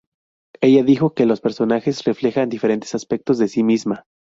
Ella dijo que los personajes reflejan diferentes aspectos de sí misma.